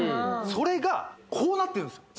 それがこうなってんですよ